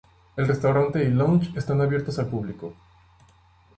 El restaurante y lounge están abiertos al público.